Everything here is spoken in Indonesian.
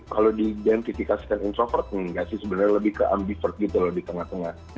kalau diidentifikasikan introvert nggak sih sebenarnya lebih ke ambivert gitu loh di tengah tengah